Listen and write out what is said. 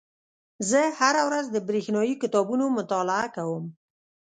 زه هره ورځ د بریښنایي کتابونو مطالعه کوم.